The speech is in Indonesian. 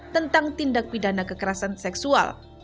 tentang tindak pidana kekerasan seksual